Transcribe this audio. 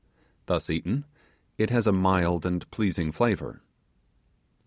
Thus eaten, it has a mild and pleasing flavour.